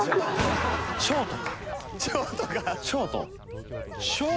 ショート！